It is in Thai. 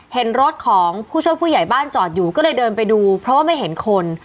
เห็นรถของผู้ช่วยผู้ใหญ่บ้านจอดอยู่ก็เลยเดินไปดูเพราะว่าไม่เห็นคน